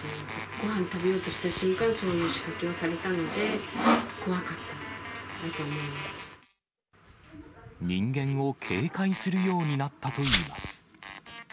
ごはん食べようとした瞬間、そういう仕掛けをされたので、人間を警戒するようになったといいます。